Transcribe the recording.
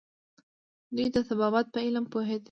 دوی د طبابت په علم پوهیدل